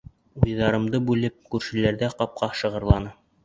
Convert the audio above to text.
Уйҙарымды бүлеп, күршеләрҙә ҡапҡа шығырланы.